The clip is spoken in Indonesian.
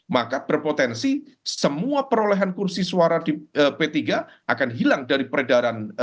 maka berpotensi semua perolehan kursi suara di p tiga akan hilang dari peredaran